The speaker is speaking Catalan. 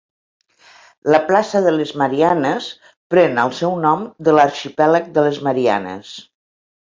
La placa de les Mariannes pren el seu nom de l'arxipèlag de les Mariannes.